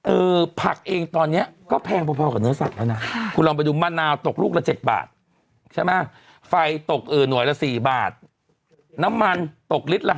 อือพักเองตอนนี้ก็แพงพอกว่าเนื้อสักอ่ะนะคุณลองไปดูมะนาวตกรูกละ๗บาท